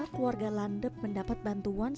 keluarga landep mendapat bantuan